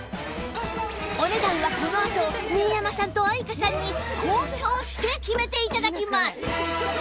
お値段はこのあと新山さんと愛華さんに交渉して決めて頂きます